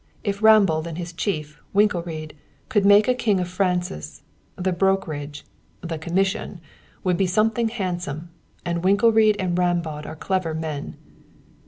If Rambaud and his chief, Winkelried, could make a king of Francis, the brokerage the commission would be something handsome; and Winkelried and Rambaud are clever men."